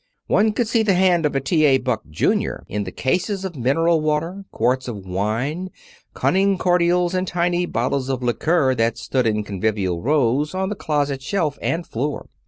One could see the hand of T. A. Buck, Junior, in the cases of mineral water, quarts of wine, cunning cordials and tiny bottles of liqueur that stood in convivial rows on the closet shelf and floor.